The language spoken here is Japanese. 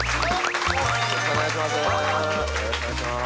よろしくお願いします